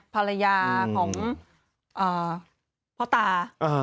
ภรรยาของอ่าพ่อตาอ่า